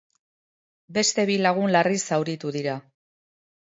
Beste bi lagun larri zauritu dira.